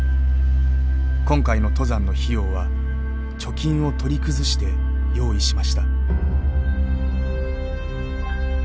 今回の登山の費用は貯金を取り崩して用意しました。